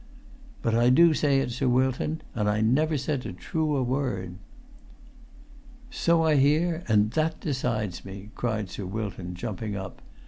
"But I do say it, Sir Wilton, and I never said a truer word." "So I hear; and that decides me!" cried Sir Wilton, jumping up.